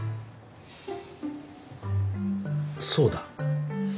そうだ！